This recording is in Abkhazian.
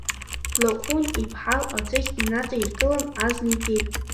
Длаҟәын, иԥҳал аӡыхь инаҵаиргылан, азна итеит.